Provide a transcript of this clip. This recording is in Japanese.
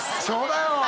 そうだよ！